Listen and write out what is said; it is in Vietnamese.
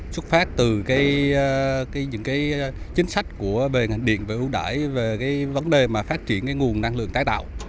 xuất phát từ những chính sách về ngành điện về ưu đải về vấn đề phát triển nguồn năng lượng tái tạo